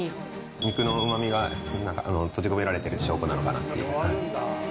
肉のうまみが閉じ込められてる証拠なのかなと。